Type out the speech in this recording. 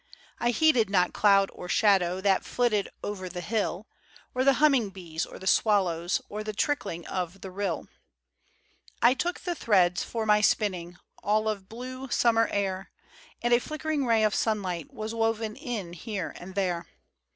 I heeded not cloud or shadow That flitted over the hill, Or the humming bees, or the swallows, Or the trickling of the rill. 102 FROM QUEENS' GARDENS. I took the threads for my spinning, All of blue summer air, And a flickering ray of sunlight Was woven in here and there.